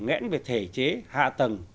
ngẽn về thể chế hạ tầng